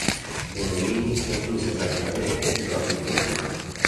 Borromini concluse tragicamente i propri giorni.